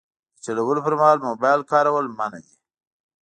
د چلولو پر مهال موبایل کارول منع دي.